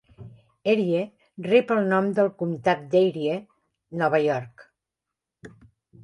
Erie rep el nom del comtat d'Erie, Nova York.